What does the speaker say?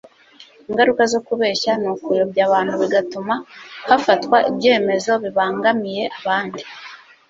ingaruka zo kubeshya ni ukuyobya abantu bigatuma hafatwa ibyemezo bibangamiye abandi